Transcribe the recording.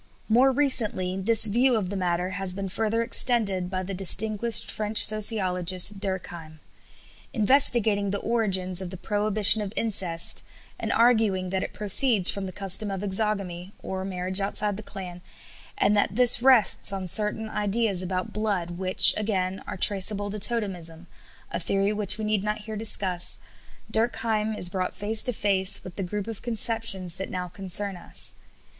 " More recently this view of the matter has been further extended by the distinguished French sociologist, Durkheim. Investigating the origins of the prohibition of incest, and arguing that it proceeds from the custom of exogamy (or marriage outside the clan), and that this rests on certain ideas about blood, which, again, are traceable to totemism, a theory which we need not here discuss, Durkheim is brought face to face with the group of conceptions that now concern us.